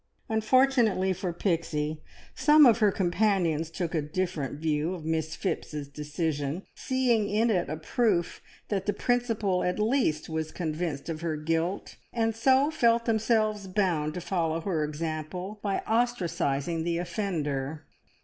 Unfortunately for Pixie, some of her companions took a different view of Miss Phipps's decision, seeing in it a proof that the Principal at least was convinced of her guilt, and so felt themselves bound to follow her example by ostracising the offender.